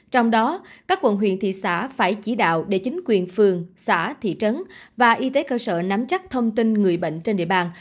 trong đó các quận huyện thị xã phải chỉ đạo để chính quyền phường xã thị trấn và y tế cơ sở nắm chắc thông tin người bệnh trên địa bàn